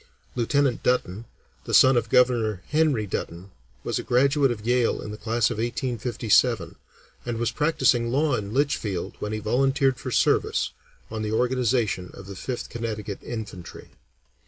Lieutenant Dutton, the son of Governor Henry Dutton, was a graduate of Yale in the class of 1857, and was practising law in Litchfield when he volunteered for service on the organization of the Fifth Connecticut Infantry.